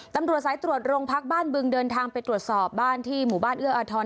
ตำรวจสายตรวจโรงพักบ้านบึงเดินทางไปตรวจสอบบ้านที่หมู่บ้านเอื้ออาทร